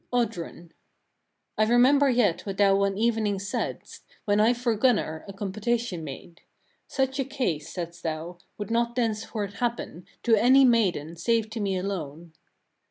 Oddrun. 13. I remember yet what thou one evening saidst, when I for Gunnar, a compotation made. Such a case, saidst thou, would not thenceforth happen, to any maiden, save to me alone."